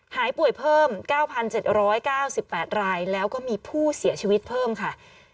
หายป่วยเพิ่ม๙๗๙๘รายแล้วก็มีผู้เสียชีวิตเพิ่มค่ะ